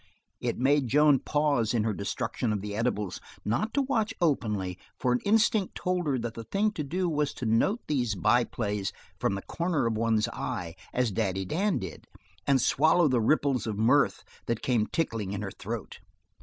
It made Joan pause in her destruction of the edibles, not to watch openly, for an instinct told her that the thing to do was to note these by plays from the corner of one's eye, as Daddy Dan did, and swallow the ripples of mirth that came tickling in the throat.